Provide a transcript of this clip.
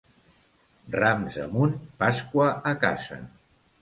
Rams amunt, Pasqua a casa.